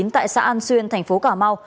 tại xã an xuyên thành phố cà mau